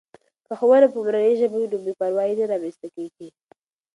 که ښوونه په مورنۍ ژبه وي نو بې پروایي نه رامنځته کېږي.